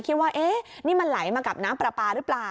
คิดว่าเอ๊ะนี่มันไหลมากับน้ำปลาปลาหรือเปล่า